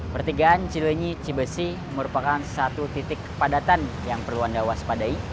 pertigaan cilenyi cibesi merupakan satu titik kepadatan yang perlu anda waspadai